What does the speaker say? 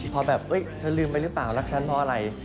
พอแบบเธอลืมไปหรือเปล่ารักฉันเพราะอะไร